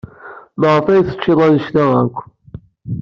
Maɣef ay teččid anect-a akk?